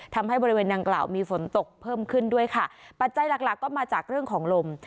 ทำให้บริเวณดังกล่าวมีฝนตกเพิ่มขึ้นด้วยค่ะปัจจัยหลักหลักก็มาจากเรื่องของลม